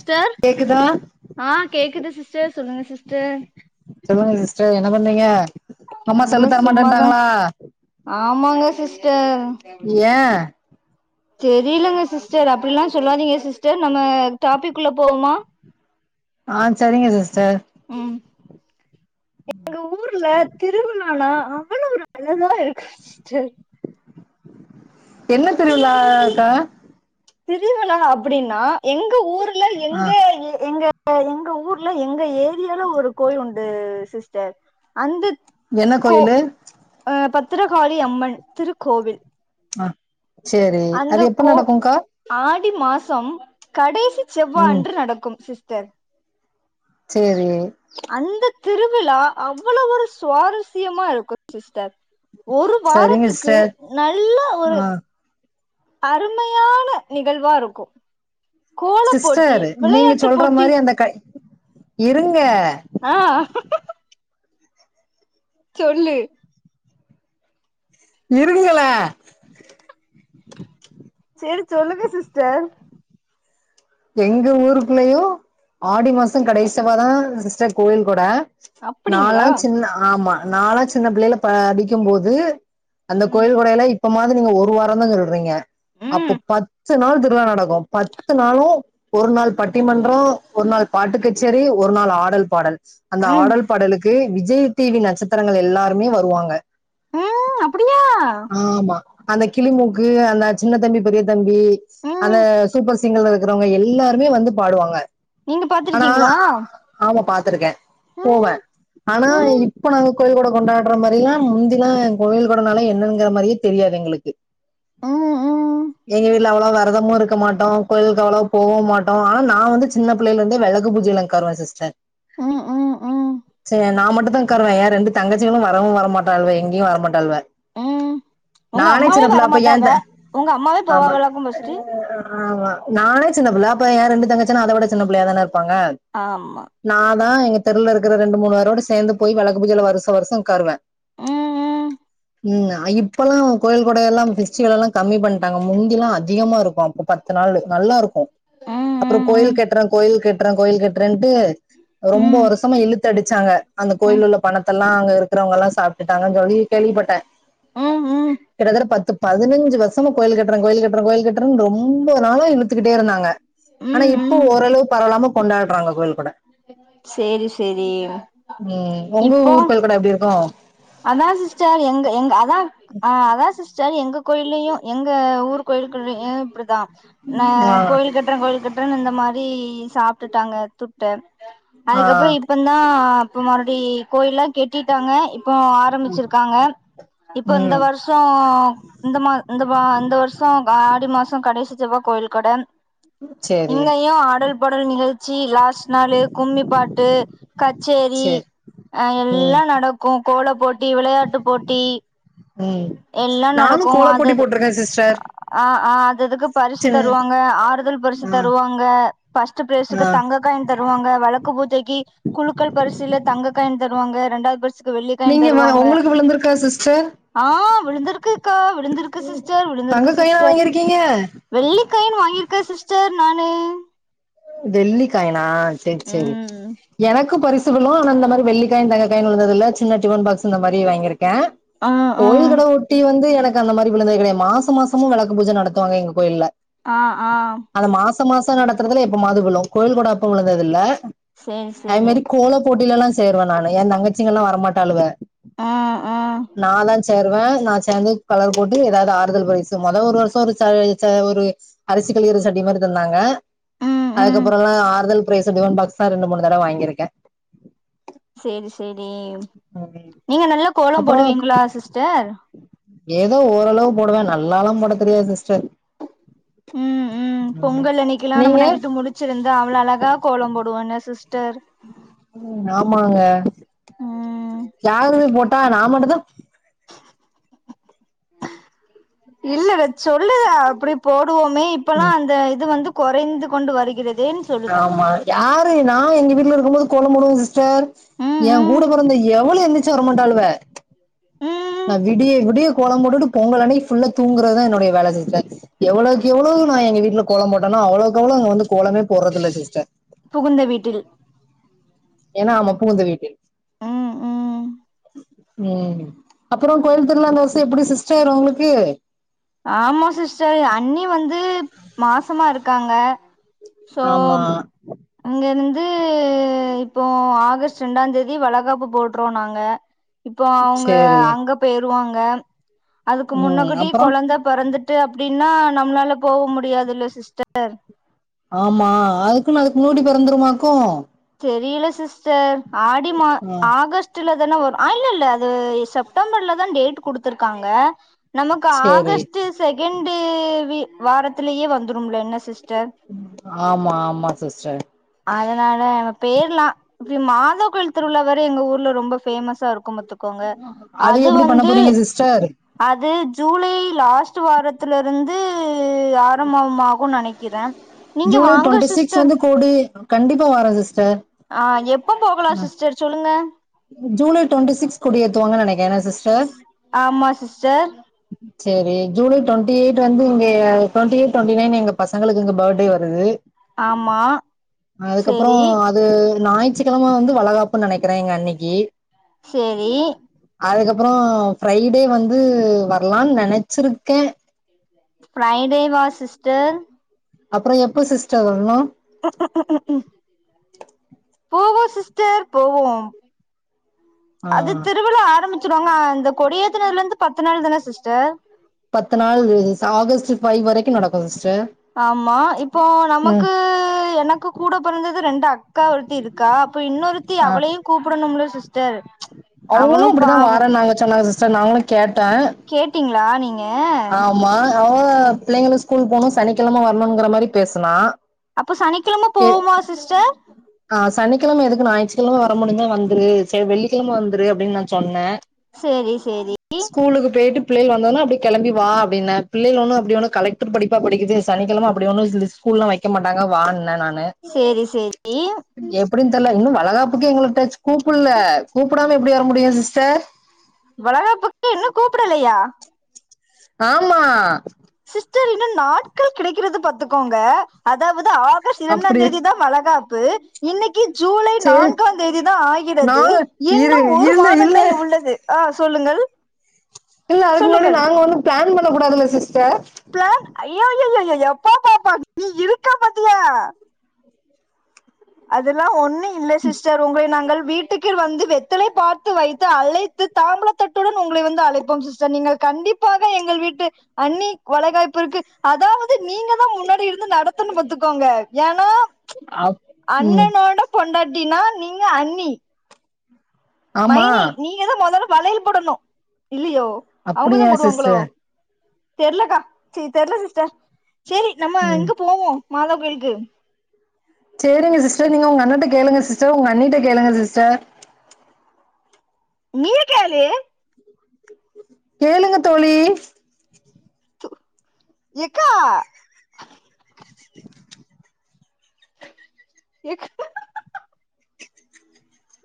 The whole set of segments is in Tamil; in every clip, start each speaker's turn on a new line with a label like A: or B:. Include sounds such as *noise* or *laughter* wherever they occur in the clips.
A: ஸ்டர்
B: கேக்குதா
A: ஆ கேக்குது சிஸ்டர் சொல்லுங்க சிஸ்டர்
B: சொல்லுங்க சிஸ்டர் என்ன பண்ணீங்க அம்மா
A: இந்தா சும்மாதா
B: செல்லுத்தரமாட்டேட்டாங்களா
A: ஆமாங்க சிஸ்டர்
B: ஏ
A: தெரியலங்க சிஸ்டர் அப்படிலா சொல்லாதீங்க சிஸ்டர் நம்ம டாபிக்குள்ள போவோமா
B: ஆ சரிங்க சிஸ்டர்
A: ம் எங்க ஊர்ல திருவிழா லானா அவ்ளோ ஒரு அழகா இருக்கு சிஸ்டர்
B: என்ன திருவிழா அ க்கா
A: திருவீலா அப்படின்னா எங்க ஊர்ல
B: ஆ
A: எங்க எங்க அ எங்க ஊர்ல எங்க ஏரியால ஒரு கோயில் உண்டு சிஸ்டர் அந்த
B: என்ன
A: கோ
B: கோயிலு
A: அ பத்திரகாளி அம்மன் திருக்கோவில்
B: ஆ சேரி
A: அந்த
B: அது எப்ப
A: கோ
B: நடக்கும்க்கா
A: ஆடி மாசம் கடைசி
B: ம்
A: செவ்வான்று நடக்கும் சிஸ்டர்
B: சேரி
A: அந்த திருவிழா அவ்ளோவு ஒரு சுவாரஸ்யமா இருக்கும் சிஸ்டர் ஒரு
B: சரிங்க
A: வாரத்துக்கு
B: சிஸ்டர்
A: நல்ல ஒரு
B: ஆ
A: அருமையான நிகழ்வாருக்கு
B: சிஸ்டர் நீங்க
A: விளையாட்டு
B: சொல்ற
A: போட்டி
B: மாரி அந்த கட் இருங்க
A: ஆ சொல்லு
B: இருங்கள
A: சேரி சொல்லுங்க சிஸ்டர்
B: எங்க ஊருக்குள்ளயு ஆடி மாசோ கடைசிவாரோ சிஸ்டர் கோவில் கொட நாலா
A: அப்படிங்களா
B: சின்ன ஆமா நாலா சின்ன பிள்ளையில ப படிக்கும் போது அந்த
A: ம்
B: கோயில் கொடையிலா இப் இப்ப மாது நீங்க ஒரு வாரே தா சொல்றீங்க அப்போ
A: ம்
B: பத்து நாளு திருவிழா நடக்கு பத்து நாளு ஒரு நாள் பட்டிமன்ற ஒரு நாள் பாட்டு கச்சேரி ஒரு நாள் ஆடல் பாடல் அந்த
A: ம்
B: ஆடல் பாடலுக்கு விஜய் டி வி நட்சத்திரங்கள் எல்லாருமே வருவாங்க
A: ம் அப்டியா
B: ஆமா அந்த கிளிமூக்கு அந்த சின்ன தம்பி பெரிய தம்பி அந்த
A: ம்
B: சூப்பர் சிங்கர்ல இருக்கறவங்க எல்லாருமே வந்து பாடுவாங்க
A: நீங்க பாத்துருக்கீங்களா
B: ஆள பாத்துருக்கே போவே ஆனா
A: ம்
B: இப்ப நாங்க கோயில் கொட கொண்டாடுற மாரியு முந்திலா கோயில் கூடனாலே என்னங்குற மாரியே தெரியாது எங்களுக்கு
A: ம் ம்
B: எங்க வீட்ல அவ்ளோவா வெரதமு இருக் இருக்க மாட்டா கோயிலுக்கு அவ்ளவா போவு மாட்டா ஆனா நா வந்து சின்ன பிள்ளைல இருந்தே விளக்கு பூஜைல உக்காருவ சிஸ்டர்
A: ம் ம் ம்
B: ச நா மட்டுதா உக்காருவே எ ரெண்டு தங்கச்சிங்களு வரவு வரமாட்டாள்வ எங்கயு வரமாட்டாள்வ
A: ம் உங்க
B: நானே
A: அம்மாவே
B: சின்ன ஃபுல்லா அப்ப ஏ
A: வரமாட்டாவ
B: த
A: உங்க அம்மாவே
B: ஆமா
A: போவாவளாக்கு ஃபஸ்ட்டு
B: ஆமா நானே சின்ன புள்ள அப்ப ஏ ரெண்டு தங்கச்சிங்களு அத விட சின்ன பிள்ளையாதான இருப்பாங்க
A: ஆமா
B: நா தா எங்க தெருவுல இருக்குற ரெண்டு மூணு வேரோட சேந்து போய் வெளக்கு பூஜைல வருஷ வருஷ உக்காருவ
A: ம்
B: ம் இப்பல்லா கோயில் கூட எல்லா திருச்சி எல்லா கம்மி பண்ணிட்டாங்க முந்தில்லா அதிகமா இருக்கு அப்ப பாத் மத்த நாளு நல்லாருக்கு
A: ம்
B: அப்ற
A: ம் ம்
B: கோயிலுக் கட்ற கோயில் கட்ற கோயில் கட்றன்ட்டு ரொம்ப
A: ம்
B: வர்ஷமா இழுத்து அடிச்சாங்க அந்த
A: ம் ம்
B: கோயில் உள்ள பணத்தல்லா அங்க இருக்றவங்கல்லா சாப் கேட்டாங்க தோழி கேள்விப்பட்ட
A: ம் ம்
B: கிட்டத்தட்ட பத்து பதினஞ்சு வரு சின்ன கோயில் கட்டுற கோயில் கட்டுற கோயில் கட்டுறன்னு ரொம்ப நாளா இழுத்துக்கிட்டே இருந்தாங்க ஆனா
A: ம்
B: இப் இப்ப
A: ம்
B: ஓரளவு பரவல்லாம கொண்டாடுறாங்க கோயில் கூட
A: சேரி சேரி
B: ம் உங்க
A: இப்போ
B: ஊரு கோயில் கூட அப்டி இருக்கு
A: அதா சிஸ்டர் எங்க எங்க அதா அதா சிஸ்டர் எங்க கோயில்லயு எங்க ஊரு கோயிலுக்குள்ளயு இப்டிதா நா
B: ஆ
A: கோயில் கட்டுற கோயில் கட்றேன்னு இந்த மாரி சாப்டுட்டாங்க துட்ட
B: ஆ
A: அதுக்கப்ற இப்பந்தா இப்ப மறுடி கோயில்லா கெட்டிட்டாங்க இப்ப ஆரம்பிச்சிருக்காங்க இப்ப இந்த
B: ம்
A: வருஷ இந்த மா இந்த அந்த வருஷ ஆடி மாச கடைசி செவ்வா கோவில் கட
B: சேரி
A: இங்கயு ஆடல் பாடல் நிகழ்ச்சி லாஸ்ட் நாளு கும்மி பாட்டு கச்சேரி
B: சேரி
A: அ
B: ம்
A: எல்லா நடக்கு கோல போட்டி விளையாட்டு போட்டி
B: ம்
A: எல்லா
B: நானு கோலப்போட்டி போட்ருக்க சிஸ்டர்
A: அ அ அதுதுக்கு பரிசு
B: சின்
A: தருவாங்க ஆறுதல் பரிசு
B: ஆ
A: தருவாங்க ஃபஸ்ட் ப்ரைஸுக்கு
B: ஆ
A: தங்க காயின் தருவாங்க வெளக்கு பூஜைக்கு குளுக்கள் பரிசுல்ல தங்க காயின் தருவாங்க ரெண்டாவது பரிசு க்கு வெள்ளிக்கெழம
B: நீங்க வ
A: தருவாங்க
B: உங்களுக்கு விழுந்திருக்கா சிஸ்டர்
A: ஆ விழுந்துருக்குக்கா விழுந்துருக்கு சிஸ்டர்
B: தங்க
A: விழுந்துருக்கு
B: காயினா
A: சிஸ்டர்
B: வாங்கிருக்கீங்க
A: வெள்ளிக்காயின் வாங்கியிருக்க சிஸ்டர் நானு
B: வெள்ளிக்காயனா செர் செரி
A: ம்
B: எனக்கு பரிசு விழு ஆனா இந்த மாரி வெள்ளிக்காயின் தங்காயின்னு விழுந்தது இல்ல சின்ன டிபன் பாக்ஸ் இந்த மாரி வாங்கிருக்க
A: ஆ ஆ
B: கோயில் கடவுட் ட்டி வந்து எனக்கு அந்த மாரி விழுந்தது கெடையாது மாச மாசமு வெளக்கு பூஜ நடத்துவாங்க எங்க கோயில்ல
A: ஆ ஆ
B: அந்த மாச மாச நடத்துறதுல எப்பமாது விழு கோயில் கூட அப்ப விழுந்ததில்ல
A: சேரி
B: அதே
A: சேரி
B: மாரி கோல போட்டிலல்லா சேருவே நானு எ தங்கச்சிங்கலா வரமாட்டாளுக
A: ம் ம்
B: நா தா சேருவ நா சேந்து கலர் போட்டு எதாவது ஆறுதல் பரிசு மொத ஒரு வருஷ ஒரு ச ச ஒரு அரிசி கழுவுற சட்டி மாரி தந்தாங்க
A: ம் ம்
B: அதுக்கப்றமா ஆறுதல் ப்ரைஸ் டிபன் பாக்ஸ்தா ரெண்டு மூணு தடவ வாங்கிருக்க
A: செரி செரி
B: ம்
A: நீங்க நல்லா கோலம்
B: அப்புறோ
A: போடுவீங்களா சிஸ்டர்
B: ஏதோ ஓரளவு போடுவே நல்லாலா போட தெரியாது சிஸ்டர்
A: ம் ம் பொங்கல் அன்னிக்குலா
B: நீங்க
A: நம்ம நைட்டு முழிச் ச்சிருந்து அவ்ளோ அழகா கோல போடுவோல சிஸ்டர்
B: ஆமாங்க
A: ம்
B: யாருங்க போட்டா நா மட்டு தா
A: இல்ல சொல்லுத அப்டி போடுவோமே இப்பல்லா அந்த இது வந்து கொறைந்து கொண்டு வருகிறது
B: ஆமா யாரு நா எங்க வீட்ல இருக்கு போது கோல போடுவ சர்
A: ம்
B: எ கூட
A: ம்
B: பொறந்த எவளு எந்ச்சு வரமாட்டாளுக
A: ம்
B: நா விடிய விடிய கோல போட்டுடு பொங்கல் அன்னைக்கு ஃபுல்லா தூங்குறதுதா என்னுடைய வேல சிஸ்டர் எவ்ளோக்கு எவ்ளோ நா எங்க வீட்ல கோல போட்டனோ அவ்ளோக்கு அவ்ளோ இங்க வந்து கோலமே போட்றதில்ல சிஸ்டர்
A: புகுந்த வீட்டில்
B: ஏனா ஆமா புகுந்த வீடு
A: ம் ம்
B: உம் அப்புறோ கோயில் திருவிழா இந்த வருஷ எப்டி சிஸ்டர்உங்களுக்கு
A: ஆமா சிஸ்டர் அண்ணி வந்து மாசமா இருக்காங்க சோ
B: ஆமா
A: அங்கிறந்து இப்போ ஆகஸ்ட் ரெண்டா தேதி வளைகாப்பு போட்றோ‌ நாங்க இப்ப அவங்க
B: சேரி
A: அங்க போயறுவாங்க அதுக்கு
B: ம்
A: முன்னகூடி
B: அப்புறோ
A: கொழந்த பொறந்துட்டு அப்டின்னா நம்மளால போக முடியாதுல சிஸ்டர்
B: ஆமா அதுக்கும் அதுக்கு முன்னாடி பொறந்துருமாக்கும்
A: தெரில சிஸ்டர் ஆடி மா
B: ஆ
A: ஆகஸ்ட் ட்லதான வரும் இல்ல இல்ல அது செப்டம்பர்லதான் டேட் குடுத்துருக்காங்க நமக்கு
B: சேரி
A: ஆகஸ்ட் செகண்டு் வாரத்திலயே வந்துரும்ல என்ன சிஸ்டர்
B: ஆமா ஆமா சிஸ்டர்
A: அதனால அ பேர்லா இப்ப மாதக்கோயில் திருவிழா வேற எங்க ஊர்ல ரொம்ப ஃபேமஸா இருக்கும் பா துகொங்க அது
B: எப்டி பண்ண
A: வந்து
B: போறீங்க சிஸ்டர்
A: அது ஜூலை லாஸ்ட் வாரத்து த்துலருந்து ஆரம்பமாகுனு நெனைக்கிற
B: ஜூலை டுவெண்ட்டி சிக்ஸ் வந்து கோடி கண்டிப்பா வரோ சிஸ்டர்
A: ஆ எப்போ போகலா சிஸ்டர் சொல்லுங்க
B: ஜூலை டுவெண்டி சிக்ஸ் கொடி ஏத்துவங்க நெனைக்கிற சிஸ்
A: ஆமா சிஸ்டர்
B: செரி ஜூலை டுவெண்ட்டி எயிட் வந்து இங்க டுவெண்ட்டி எயிட் டுவெண்டி நைன் எங்க பசங்களுக்கு இங்க பர்த்டே வருது
A: ஆமா
B: அதுக்கப்புறோ
A: சேரி
B: அது ஞாயிற்றுக்கெலம வந்து வளகாப்புன்னு நெனைக்கிறே எங்க அண்ணிக்கு
A: செரி
B: அதுக்கப்புறோ ஃப்ரைடே வந்து வரலான்னு நினைச்சிருக்கே
A: ஃப்ரைடே வா சிஸ்டர்
B: அப்புறம் எப்ப சிஸ்டர் வரணு
A: ஆ ஆ ஆ ஆ ஆ போவோம் சிஸ்டர் போவோம்
B: ஆ
A: அது திருவிழா ஆரம்பிச்ச வாங்க அந்த கொடிய ஏத்துநனனதுலருந்து பத்து நாள் தானே சிஸ்டர்
B: பத்து நாள் ஆகஸ்ட் ஃபைவ் வரைக்கு நடக்கு சிஸ்டர்
A: ஆமா இப்போ
B: ம்
A: நமக்கு எனக்கு கூட பிறந்தது ரெண்டு அக்கா ஒருத்தி இருக்கு கா இப்ப இன்னொருத்தி
B: ஆ
A: அவளையு கூப்பிடணுலோ சிஸ்டர்
B: அவங்களு
A: அவனு
B: அப்படிதான்
A: பாவோ
B: வரேனு நாங்க சொன்னாங்க சிஸ்டர் நாங்களு கேட்டே
A: கேட்டீங்களா நீங்க
B: ஆமா அவ
A: சே
B: பிள்ளைங்களுக்கு ஸ்கூல் போகனு சனிக்கிழமை வரணும்ங்கற மாதிரி பேசனா
A: அப்ப சனிக்கிழமை போவமா சிஸ்டர்
B: சனிக்கிழமை எதுக்கு ஞாயிற்றுக்கிழமை வர முடிஞ்சா வந்துரு சரி வெள்ளிக்கிழமை வந்துரு அப்படின்னு நான் சொன்னே
A: சரி சரி
B: ஸ்கூலுக்கு போயிட்டு பிள்ளை வந்தனா அப்படி கெளம்பி வா அப்படின்ன பிள்ளைக ஒன்னு கலெ ஒரு படிப்பா படிக்குது சனிக்கிழமை அப்படி ஒன்னு ஸ்கூல்ல எல்லா வைக்க மாட்டாங்க வானே நானு
A: சரி சரி
B: எப்படின்னு தெரியல இன்னு வழகாப்புக்கு எங்களை டச் கூப்பிடல கூப்பிடாம எப்படி வர முடியும் சிஸ்டர்
A: வளைகாப்புக்கு இன்னு கூப்பிடலையா
B: ஆமா
A: சிஸ்டர் இன்னும் நாட்கள் கிடைக்கறது பாத்துக்கோங்க அதாவது ஆகஸ்ட் இரண்டாம்
B: அப்டியே
A: தேதி தான் வளகாப்பு இன்னைக்கு ஜூலை
B: சேரி
A: நான்காம் தேதி தான் ஆகிறது
B: நாங்க இரு
A: இன்னும் ஒரு
B: இல்ல இல்ல
A: மாதங்கள் உள்ளது அ சொல்லுங்கள்
B: இல்ல அதுக்கு முன்னாடி
A: சொல்லுங்கள்
B: நாங்க ஒன்னும் பிளான் பண்ண கூடாதுல்ல சிஸ்டர்
A: டர் ஐயயயோ எப்ப பாப்பான் நீ இருக்க பாத்தியா அதுல்லாம் ஒண்ணும் இல்ல சிஸ்டர் உங்களை நாங்கள் வீட் வீட்டுக்குவந்து வெத்தலை பாக்கு வைத்து அழைத்து தாம்பூலத்தட்டுடன் உங்களை வந்து அழைப்போ சிஸ்டர் நீங்கள் கண்டிப்ப கண்டிப்பாக எங்கள் வீட்டு அண்ணி வளைகாப்புர்க்கு அதாவது நீங்க தா முன்னாடி இருந்து நடத்துன்னு பாத்துக்கோங்க ஏன்னா
B: *unintelligible* ஆ
A: அண்ணனோட பொண்டாட்டினா நீங்க அன்னி
B: ஆமா
A: மைனி நீங்கதான் முதல்ல வளயல் போடணு இல்லயோ அவுங்கதான்
B: அப்டியா
A: போடுவாங்களோ
B: சிஸ்டர்
A: தெர்லக்கா சீ தெர்ல சிஸ்டர் சேரி நம்ம
B: ம்
A: இங்க போவோம் மாதா கோயிலுக்கு
B: சேரிங்க சிஸ்டர் நீங்க உங்க அண்ணன்ட்ட கேளுங்க சிஸ்டர் உங்க அன்னிட்ட கேளுங்க சிஸ்டர்
A: நீயே கேலு
B: கேளுங்க தோழி
A: எக்கா எக்கா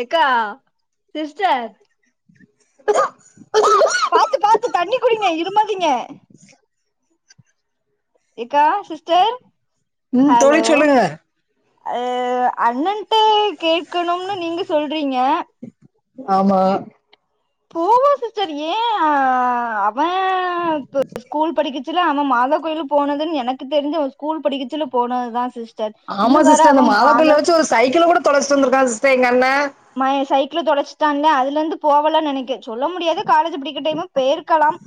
A: எக்கா சிஸ்டர்
B: *inaudible*
A: பாத்து பாத்து தண்ணி குடிங்க இருமாதீங்க
B: ச
A: எக்கா சிஸ்டர்
B: ம் தோழி
A: ஹலோ
B: சொல்லுங்க
A: அ அண்ணன்ட கேக்கணும்னு நீங்க சொல்றீங்க
B: ஆமா
A: போவா சிஸ்டர் ஏன் அவேன் ஸ்கூல் படிக்கச்சல அவேன் மாதா கோயிலு போனதுன்னு எனக்கு தெரிஞ்ச அவேன் ஸ்கூல் படிக்கச்சு போனதுதான் சிஸ்ட
B: ஆமா சிஸ்டர் அந்த மாதகோயில்ல வச்சு ஒரு சைக்கிள்ளகூட தொலைச்சுட்டு வந்து இருக்கான் சிஸ்டர் எங்க அண்ணே
A: ம்மா ஏ சைக்கிள்ள தொலச்சிட்டா அண்ணே அதுல இருந்து போகலனு நெனக்கே சொல்ல முடியாது காலேஜ் படிக்க டைமு பேயிருக்கலாம்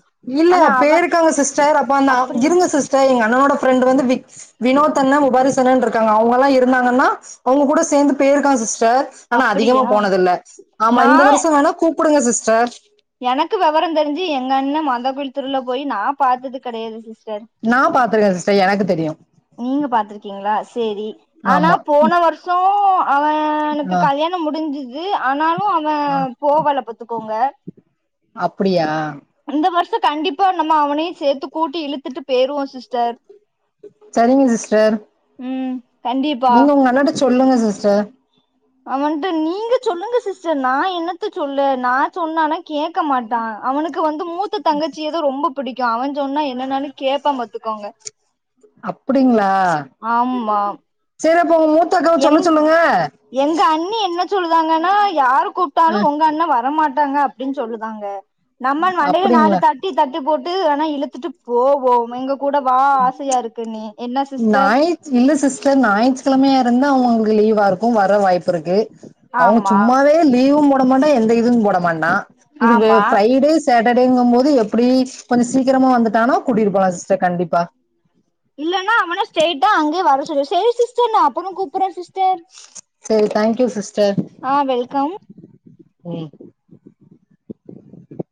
B: இல்ல
A: ஆனா அவன்
B: பேய்ருக்காங்க சிஸ்டர் அப்ப தான்
A: அப்படி
B: இருங்க சிஸ் டர் எங்க அண்ணணோட ஃப்ரெண்ட் வந்து விக்ஸ் வினோத் அண்ணே உபாரிஸ் அண்ணேனு இருக்காங்க அவுங்கல்லாம் இருந்தாங்கன்னா அவுங்க கூட சேந்து பேயிருக்கான் சிஸ்டர் ஆனா அதிகமா
A: அப்படியா
B: போனதுல்ல ஆமா
A: நா
B: இந்த வருஷம் வேணா கூப்புடுங்க சிஸ்டர்
A: எனக்கு விவரம் தெரிஞ்சு எங்க அண்ணே மாதாகோயில் திருவிழா போய் நான் பாத்தது கெடையாது சிஸ்டர்
B: நா பாத்துருக்கே சிஸ்டர் எனக்கு தெரியு
A: நீங்க பாத்துருக்கீங்களா சேரி ஆனா
B: ஆமா
A: போன வருஷம் சோ அவனுக்கு
B: ஆ
A: கல்யாணம் முடிஞ்சிது ஆனாலும் அவேன்
B: ஆ
A: போகல பாத்துக்கோங்க
B: அப்டியா
A: இந்த வருஷோம் கண்டிப்பா நம்ம அவனையும் சேத்து கூட்டி இழுத்துட்டு பேயிருவோம் சிஸ்டர்
B: சரிங்க சிஸ்டர்
A: உம்
B: நீங்க உங்க அண்ணன்ட சொல்லுங்க சிஸ்டர்
A: அவன்ட்ட நீங்க சொல்லுங்க சிஸ்டர் நா என்னத்த சொல்ல நா சொன்னானா கேக்க மாட்டா அவனுக்கு வந்து மூத்த தங்கச்சியதா ரொம்ப புடிக்கு அவ சொன்னா என்னன்னாலு கேப்பா பாத்துக்கோங்க
B: அப்புடிங்களா
A: ஆமா
B: செரி அப்ப உங்க மூத்த அக்காவ
A: எங்
B: சொல்ல சொல்லுங்க
A: எங்க அண்ணி என்ன சொல்லுதாங்கன்னா யாரு கூப்ட்டாலு
B: அ
A: உங்க அண்ண வரமாட்டாங்க அப் டின் சொல்லுதாங்க நம்ம மண்டைய நாலு
B: அப்டிங்களா
A: தட் டி தட்டி போட்டு வேனா இழுத்துட்டு போவோம் எங்க கூட வா ஆசையா இருக்குன்னு என்ன சிஸ்
B: ஞாயிது இல்ல சிஸ்டர் ஞாயித்து கெழமையா இருந்தா அவுங்களு லீவா இருக்கு வர வாய்ப்பு இருக்கு அவங்க
A: ஆமா
B: சும்மாவே லீவு போடமாட்டா எந்த இதுவு போடமாட்டா இது வே
A: ஆமா
B: ஃபைவ்டேஸ் சேட்டர்டேங்கும் போது எப்டி கொஞ்ச சீக்கிரமா வந்துட்டானா கூட்டிட்டு போலா சிஸ்டர் கண்டிப்பா
A: இல்லன்னா அவன ஸ்டெய்ட்டா அங்கேயே வர சொல்லு செரி சிஸ்டர் நா அப்புறோ கூப்புறே சிஸ்டர்
B: செரி தேங்க்யூ சிஸ்டர்
A: ஆ வெல்கம்
B: ம்